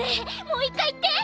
もう一回言って！